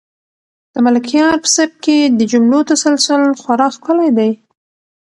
د ملکیار په سبک کې د جملو تسلسل خورا ښکلی دی.